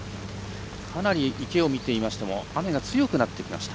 かなり池を見ていても雨が強くなってきました。